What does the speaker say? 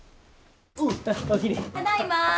ただいま。